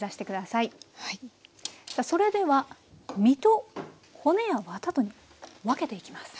さあそれでは身と骨やワタとに分けていきます。